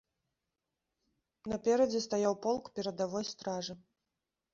Наперадзе стаяў полк перадавой стражы.